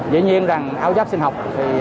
dĩ nhiên rằng áo giáp sinh học